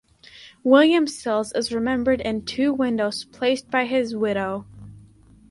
William Sills is remembered in two windows placed by his widow.